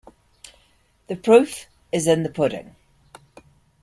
The proof is in the pudding!